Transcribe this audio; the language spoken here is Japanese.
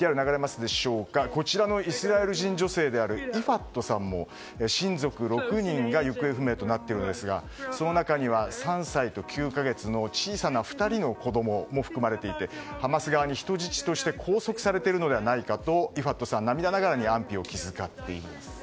こちらのイスラエル人女性であるイファットさんも親族６人が行方不明となっているんですがその中には、３歳と９か月の小さな２人の子供も含まれていてハマス側に人質として拘束されているのではないかとイファットさんは涙ながらに安否を気遣っています。